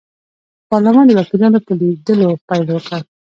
د پارلمان د وکیلانو په لیدلو پیل وکړ.